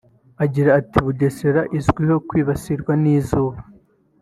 Agira ati "Bugesera izwiho kwibasirwa n’izuba